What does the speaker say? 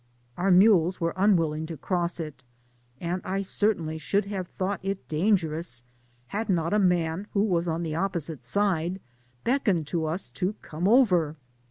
Our mules wereunwil ling to cross it, and I certainly should have thought it dangerous, had not a man who was on the oppo site side beckoned to u^ to come over.